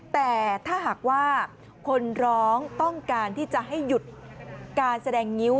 แต่ถ้าหากว่าคนร้องต้องการที่จะให้หยุดการแสดงงิ้ว